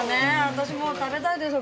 私も食べたいです